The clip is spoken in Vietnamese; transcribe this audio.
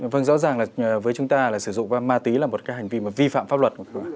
vâng rõ ràng là với chúng ta là sử dụng ma túy là một cái hành vi mà vi phạm pháp luật